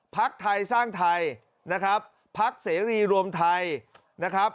พักไทยสร้างไทยนะครับพักเสรีรวมไทยนะครับ